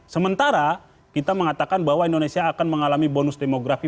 sementara kita mengatakan bahwa indonesia akan mengalami bonus demografi